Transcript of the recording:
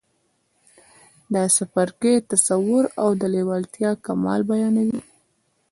دا څپرکی تصور او د لېوالتیا کمال بيانوي.